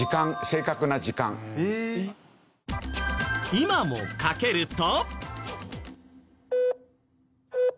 今もかけると。